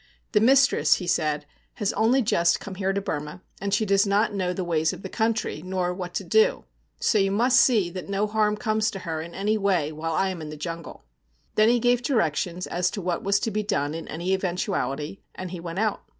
'The mistress,' he said, 'has only just come here to Burma, and she does not know the ways of the country, nor what to do. So you must see that no harm comes to her in any way while I am in the jungle.' Then he gave directions as to what was to be done in any eventuality, and he went out.